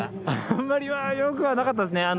あんまりよくはなかったですね。